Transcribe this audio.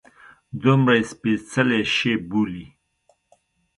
دومره یې سپیڅلی شي بولي.